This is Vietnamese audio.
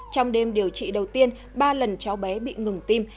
trong đêm điều trị đầu tiên ba lần cháu bé bị ngừng tim